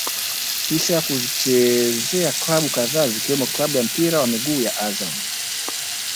Kisha kuzichezea klabu kadhaa zikiwemo klabu ya mpira wa miguu ya Azam